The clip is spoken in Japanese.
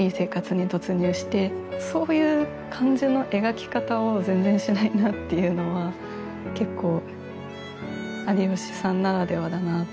そういう感じの描き方を全然しないなっていうのは結構有吉さんならではだなと思っていて。